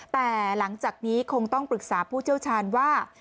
แต่หลังจากนี้คงต้องปรึกษาผู้เชี่ยวชาญว่า